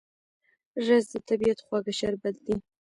رس د طبیعت خواږه شربت دی